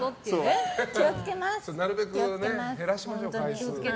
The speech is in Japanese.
なるべく減らしましょう。